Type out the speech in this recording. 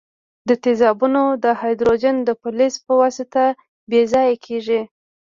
د تیزابونو هایدروجن د فلز په واسطه بې ځایه کیږي.